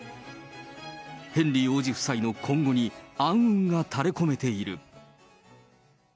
ヘンリー王子夫妻の今後に暗雲が垂れ込めている。